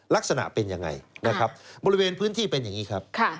ลักษณะเป็นยังไงนะครับบริเวณพื้นที่เป็นอย่างนี้ครับ